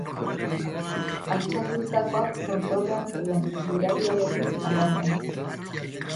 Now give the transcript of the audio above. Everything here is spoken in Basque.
Altxatutakoak tontorrean zeuden, gudariak, berriz, magalean.